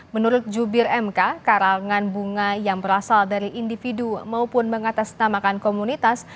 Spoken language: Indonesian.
menurut jubir mk karangan bunga yang berasal dari individu maupun mengatasnamakan komunitas